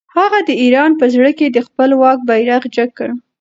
هغه د ایران په زړه کې د خپل واک بیرغ جګ کړ.